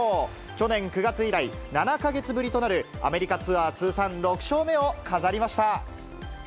去年９月以来、７か月ぶりとなるアメリカツアー通算６勝目を飾り